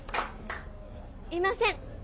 いません。